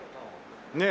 ねえ。